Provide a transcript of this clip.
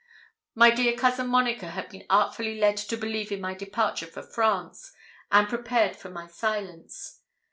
My dear cousin Monica had been artfully led to believe in my departure for France, and prepared for my silence.